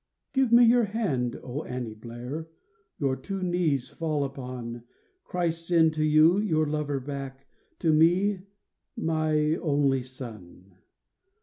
Give me your hand, O Annie Blair ; Your two knees fall upon ; Christ send to you your lover back — To me, my only son